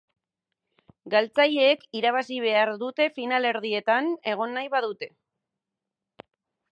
Galtzaileek irabazi behar dute finalerdietan egon nahi badute.